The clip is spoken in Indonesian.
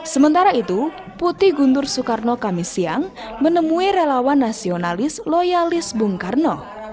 sementara itu putih guntur soekarno kami siang menemui relawan nasionalis loyalis bung karno